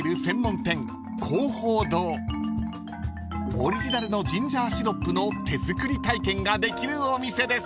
［オリジナルのジンジャーシロップの手作り体験ができるお店です］